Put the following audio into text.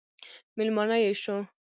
مېلمانه یې شو.